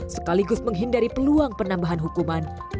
sekaligus menghindari peluang penambahan hukuman